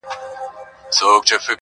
• د یارانو مو یو یو دادی کمېږي,